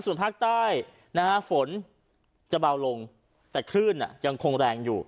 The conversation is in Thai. ส่วนภาคใต้นะฮะฝนจะเบาลงแต่คลื่นยังคงแรงอยู่